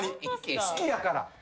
好きやから。